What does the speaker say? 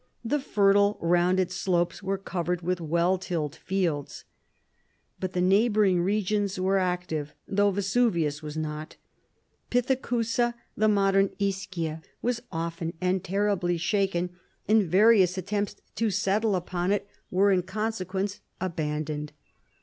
The fertile, rounded slopes were covered with well tilled fields. But the neighboring regions were active, though Vesuvius was not. Pithecusa, the modern Ischia, was often and terribly shaken, and various attempts to settle upon it were in consequence abandoned.